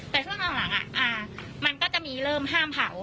แต่ช่วงหลังมันก็จะมีเริ่มห้ามเผา